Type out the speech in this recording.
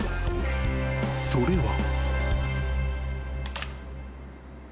［それは］